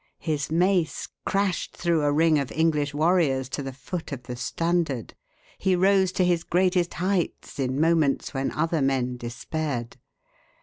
His mace crashed through a ring of English warriors to the foot of the standard. He rose to his greatest heights in moments when other men despaired.